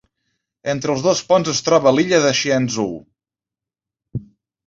Entre els dos ponts es troba l'illa de Shiyezhou.